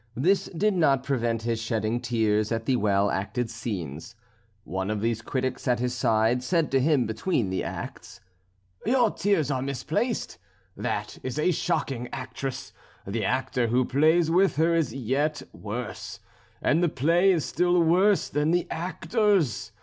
This did not prevent his shedding tears at the well acted scenes. One of these critics at his side said to him between the acts: "Your tears are misplaced; that is a shocking actress; the actor who plays with her is yet worse; and the play is still worse than the actors.